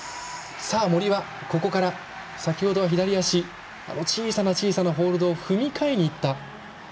森は先ほどは小さな小さなホールドを踏みかえにいった。